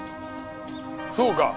そうか。